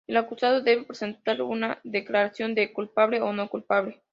El acusado debe presentar una declaración de "culpable" o "no culpable".